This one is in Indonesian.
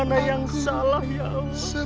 mana yang salah ya allah